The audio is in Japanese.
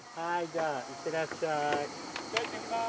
じゃあ行ってきます。